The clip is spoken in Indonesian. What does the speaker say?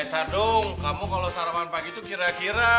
eh sardung kamu kalau sarapan pagi itu kira kira